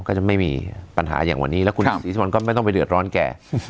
ก็จะไม่มีปัญหาอย่างวันนี้แล้วคุณศรีชนก็ไม่ต้องไปเดือดร้อนแก